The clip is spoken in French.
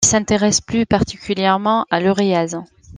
Il s'intéresse plus particulièrement à l'uréase.